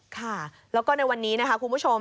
ค่ะแล้วก็ในวันนี้นะคะคุณผู้ชม